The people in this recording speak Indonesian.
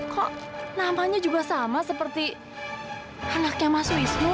kok namanya juga sama seperti anaknya mas wisnu